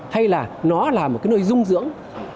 hay là nó là một nơi dung dưỡng